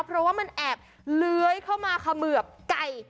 เพราะว่ามันแอบเลื้อยเข้ามาเขมือบไก่